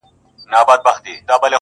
نجات نه ښکاري د هيچا له پاره,